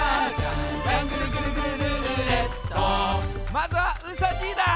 まずはうさじいだ！